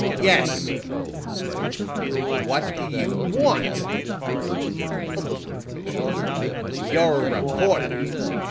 "Yes," snapped the woman. "What do you want?" "A little information." "You're a reporter!"